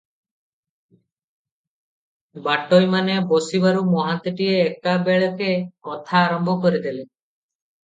ବାଟୋଇମାନେ ବସିବାରୁ ମହାନ୍ତିଏ ଏକାବେଳକେ କଥା ଆରମ୍ଭ କରିଦେଲେ ।